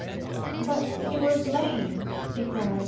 "But he was lame," he cried.